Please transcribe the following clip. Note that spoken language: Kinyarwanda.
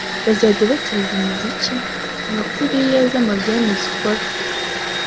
bazajya bancururiza umuziki nka kuriya za Amazon zikora